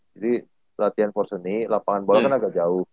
jadi latihan porseni lapangan bola kan agak jauh